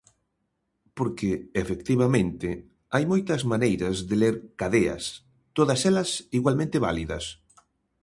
Porque, efectivamente, hai moitas maneiras de ler Cadeas, todas elas igualmente válidas.